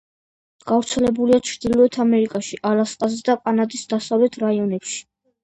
გავრცელებულია ჩრდილოეთ ამერიკაში, ალასკაზე და კანადის დასავლეთ რაიონებში.